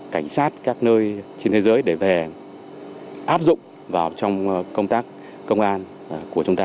cảnh sát các nơi trên thế giới để về áp dụng vào trong công tác công an của chúng ta